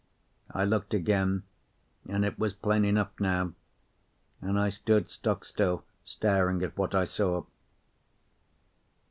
I looked again, and it was plain enough now; and I stood stock still, staring at what I saw.